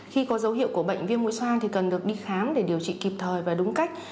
khi có dấu hiệu của bệnh viêm mũi soa thì cần được đi khám để điều trị kịp thời và đúng cách